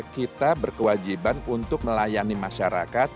kita berkewajiban untuk melayani masyarakat